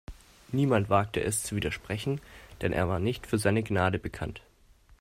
Niemand wagte es zu widersprechen, denn er war nicht für seine Gnade bekannt.